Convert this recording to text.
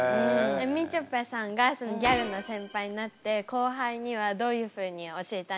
みちょぱさんがギャルの先輩になって後輩にはどういうふうに教えたんですか？